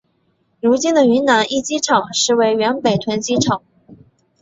如今的云南驿机场实为原北屯机场。